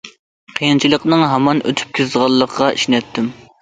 قىيىنچىلىقنىڭ ھامان ئۆتۈپ كېتىدىغانلىقىغا ئىشىنەتتىم.